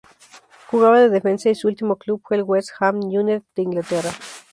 Jugaba de defensa y su ultimo club fue el West Ham United de Inglaterra.